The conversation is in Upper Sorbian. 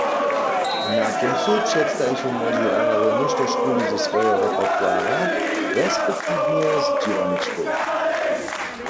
Na kóncu předstajichu młodźi hrajerjo něštožkuli ze swojeho repertoira resp. z dźěłarničkow.